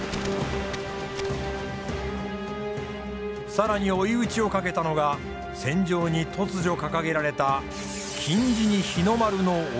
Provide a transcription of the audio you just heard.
更に追い打ちをかけたのが戦場に突如掲げられた金地に日の丸の扇。